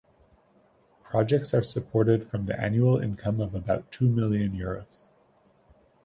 Projects are supported from the annual income of about two million euros.